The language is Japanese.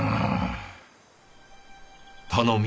頼み？